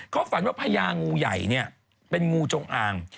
เขาฝันว่าพญางูใหญ่เป็นงูจงอาง